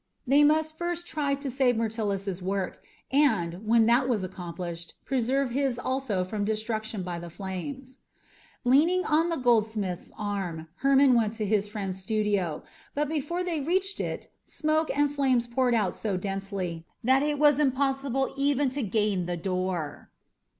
They must first try to save Myrtilus's work and, when that was accomplished, preserve his also from destruction by the flames. Leaning on the goldsmith's arm, Hermon went to his friend's studio; but before they reached it smoke and flames poured out so densely that it was impossible even to gain the door.